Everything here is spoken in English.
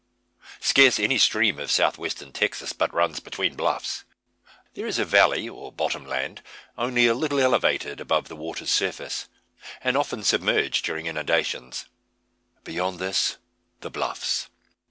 Scarce any stream of South Western Texas but runs between bluffs. There is a valley or "bottom land," only a little elevated above the water's surface, and often submerged during inundations, beyond this the bluffs.